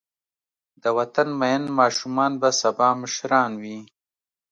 د وطن مین ماشومان به سبا مشران وي.